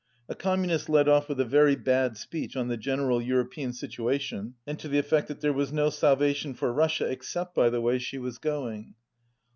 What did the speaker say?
A Communist led off with a very bad speech on the general European situation and to the effect that there was no salvation for Russia except by the way she was going.